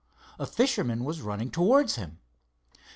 A fisherman was running towards him.